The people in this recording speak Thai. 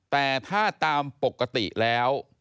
แต่ถ้าตามปกติแล้ว